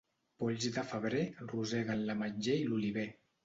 Polls de febrer roseguen l'ametller i l'oliver.